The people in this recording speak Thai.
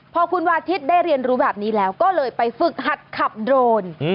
พอคุณวาทิศได้เรียนรู้แบบนี้แล้วก็เลยไปฝึกหัดขับโดรน